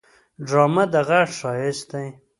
ډرامه د غږ ښايست دی